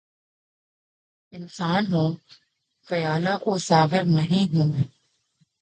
انسان ہوں‘ پیالہ و ساغر نہیں ہوں میں!